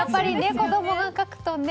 子供が書くとね。